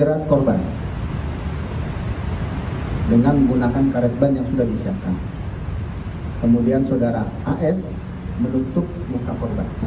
as menutup muka korban